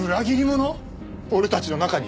俺たちの中に？